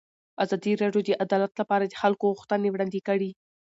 ازادي راډیو د عدالت لپاره د خلکو غوښتنې وړاندې کړي.